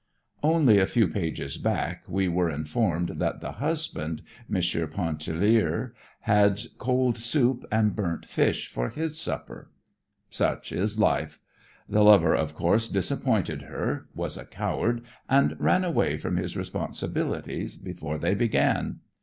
Only a few pages back we were informed that the husband, "M. Pontellier," had cold soup and burnt fish for his dinner. Such is life. The lover of course disappointed her, was a coward and ran away from his responsibilities before they began.